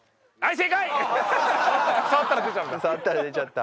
触ったら出ちゃうんだ。